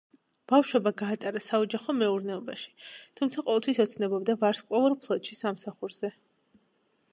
ბავშვობა გაატარა საოჯახო მეურნეობაში, თუმცა ყოველთვის ოცნებობდა ვარსკვლავურ ფლოტში სამსახურზე.